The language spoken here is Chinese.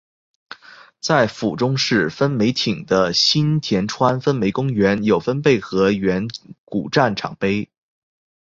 在府中市分梅町的新田川分梅公园有分倍河原古战场碑。